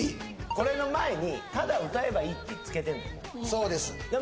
これの前に「ただ歌えばいい」ってつけてんのよで